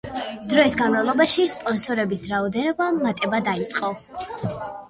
დროის განმავლობაში, სპონსორების რაოდენობამ მატება დაიწყო.